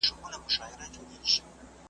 کړه یې وا لکه ګره د تورو زلفو `